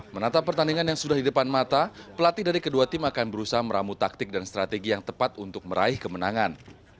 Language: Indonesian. menata pertandingan yang sudah di depan mata pelatih dari kedua tim akan berusaha meramu taktik dan strategi yang tepat untuk meraih kemenangan